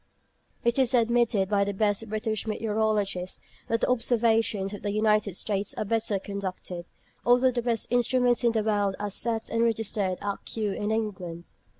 It is admitted by the best British meteorologists that the observations of the United States are better conducted, although the best instruments in the world are set and registered at Kew, in England.